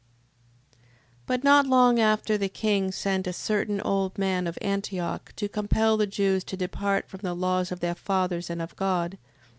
6:1. But not long after the king sent a certain old man of Antioch, to compel the Jews to depart from the laws of their fathers and of God: 6:2.